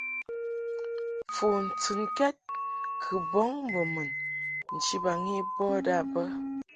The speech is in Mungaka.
Fu ntɨnkɛd kɨ bɔŋ mbo mun nchibaŋ i bɔd a bə.